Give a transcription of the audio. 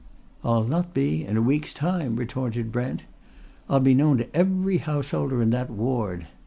"I'll not be in a week's time," retorted Brent. "I'll be known to every householder in that ward!